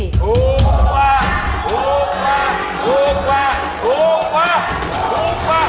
ถูกกว่า